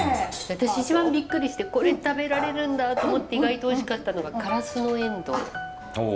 私一番びっくりして「これ食べられるんだ！」と思って意外とおいしかったのがカラスノエンドウ。